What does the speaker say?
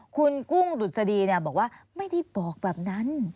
คุณกุ้งดุษฎีบอกว่าไม่ได้บอกแบบนั้น